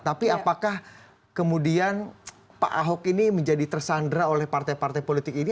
tapi apakah kemudian pak ahok ini menjadi tersandra oleh partai partai politik ini